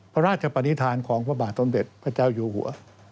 พระราชปนิษฐานของพระบาทสมเด็จพระเจ้าอยู่หัว